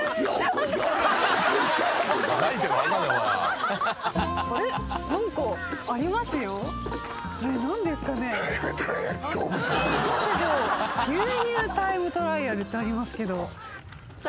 服部牧場牛乳タイムトライアルってありますけど。